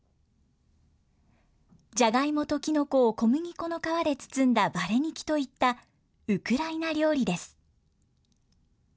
じゃがいもときのこを小麦粉の皮で包んだヴァレニキといったウクライナ料理です。